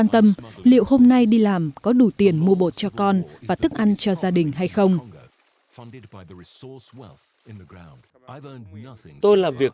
anh bialura ba mươi năm tuổi là một thợ đào coban loại khoáng chất đặc biệt